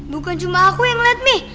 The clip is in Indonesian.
bukan cuma aku yang liat mi